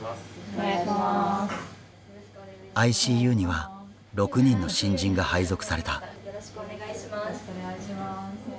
ＩＣＵには６人の新人が配属された。